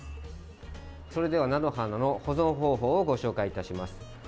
それでは菜の花の保存方法をご紹介いたします。